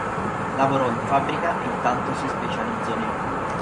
Lavorò in fabbrica e intanto si specializzò nel volo.